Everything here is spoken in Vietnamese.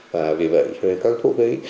và vì vậy cho nên các thuốc ấy